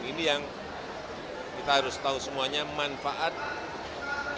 ini yang kita harus tahu semuanya manfaat